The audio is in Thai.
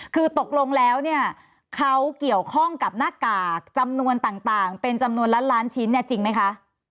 คือตกลงแล้วเนี่ยเขาเกี่ยวข้องกับหน้ากากจำนวนต่างเป็นจำนวนล้านล้านชิ้นเนี่ยจริงไหมคะ